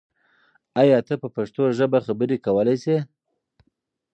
آیا ته په پښتو ژبه خبرې کولای سې؟